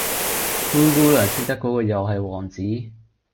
灰姑娘識得果個又系王子